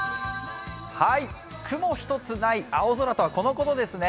雲一つない青空とはこのことですね。